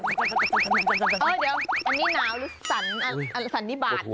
เออเดี๋ยวอันนี้หนาวอันนั้นสันนี่บาก